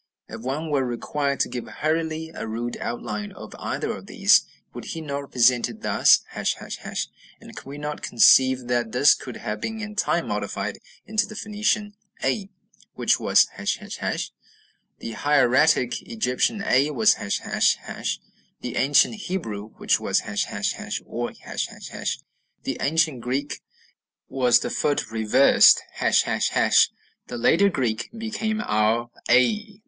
If one were required to give hurriedly a rude outline of either of these, would he not represent it thus, ###; and can we not conceive that this could have been in time modified into the Phoenician a, which was ###? The hieratic Egyptian a was ###; the ancient Hebrew, which was ### or ###; the ancient Greek was the foot reversed, ###; the later Greek became our A.